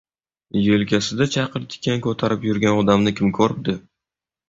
Yelkasida chaqirtikan ko‘tarib yurgan odamni kim ko‘ribdi?